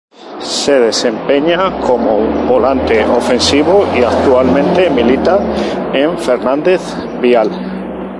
Se desempeña como volante ofensivo y actualmente milita en Fernández Vial.